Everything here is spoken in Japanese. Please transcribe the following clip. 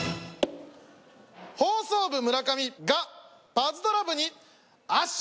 放送部村上がパズドラ部に圧勝！